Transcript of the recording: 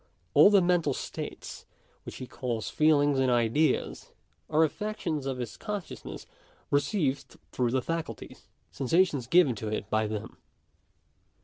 All the mental states which he calls feelings and ideas, are affections of his consciousness received through the faculties — sensations given to it by them.